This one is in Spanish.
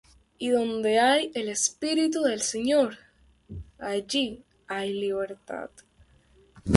y donde hay el Espíritu del Señor, allí hay libertad.